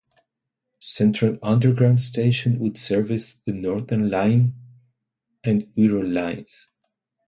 Central underground station would service the Northern Line and Wirral Lines.